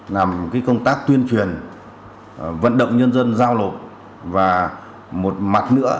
làm cái công tác tuyên truyền vận động nhân dân giao lột